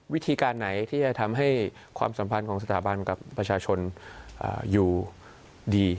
วิธีการไหนที่จะทำให้ความสัมพันธ์ของสถาบันกับประชาชนอยู่ดี